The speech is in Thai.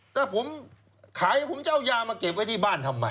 ถ้าผมขายผมจะเอายามาเก็บไว้ที่บ้านทำไม